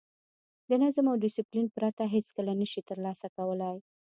د نظم او ډیسپلین پرته هېڅکله نه شئ ترلاسه کولای.